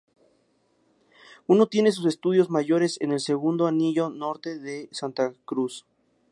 Uno tiene sus estudios mayores en el segundo anillo norte de Santa Cruz.